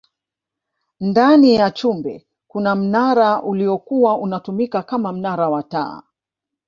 ndani ya chumbe kuna mnara uliyokuwa unatumika Kama mnara wa taa